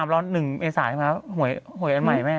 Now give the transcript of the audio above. รอหนึ่งเอศาเหรอไหมครับหวยหวยอันใหม่แม่